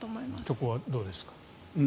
そこはどうですか。